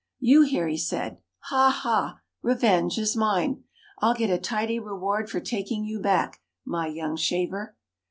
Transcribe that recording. "You here," he said, "Ha, ha, revenge is mine! I'll get a tidy reward for taking you back, my young shaver."